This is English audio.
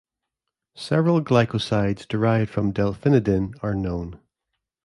Several glycosides derived from delphinidin are known.